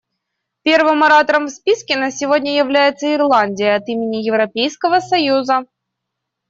Первым оратором в списке на сегодня является Ирландия от имени Европейского союза.